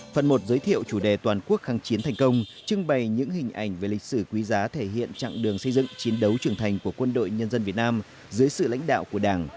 phần một giới thiệu chủ đề toàn quốc kháng chiến thành công trưng bày những hình ảnh về lịch sử quý giá thể hiện trạng đường xây dựng chiến đấu trưởng thành của quân đội nhân dân việt nam dưới sự lãnh đạo của đảng